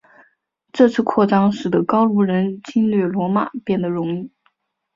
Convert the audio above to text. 这次扩张使得高卢人侵略罗马变得容易。